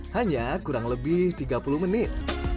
hanya kurang lebih tiga puluh menit